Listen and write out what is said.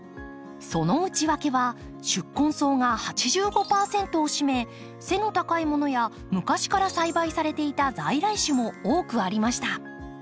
その内訳は宿根草が８５％を占め背の高いものや昔から栽培されていた在来種も多くありました。